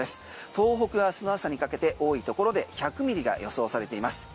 東北、明日の朝にかけて多いところで１００ミリが予想されています。